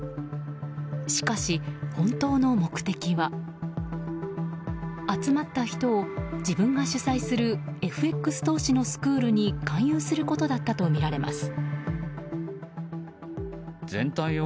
しかし、本当の目的は集まった人を、自分が主催するＦＸ投資のスクールに勧誘することだったとみられます。